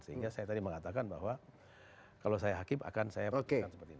sehingga saya tadi mengatakan bahwa kalau saya hakim akan saya putuskan seperti itu